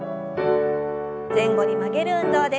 前後に曲げる運動です。